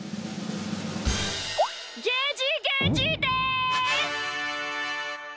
ゲジゲジです！